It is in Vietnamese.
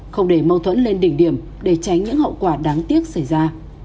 không để mâu thuẫn lên đỉnh điểm để tránh những hậu quả đáng tiếc xảy ra